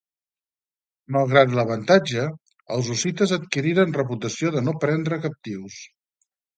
Malgrat l'avantatge, els hussites adquiriren reputació de no prendre captius.